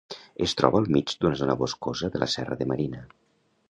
Es troba al mig d'una zona boscosa de la Serra de Marina.